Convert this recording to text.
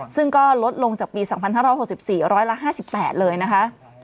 ซึ่งก็ลดลงจากปี๒๕๖๔ร้อยละ๕๘เลยนะคะ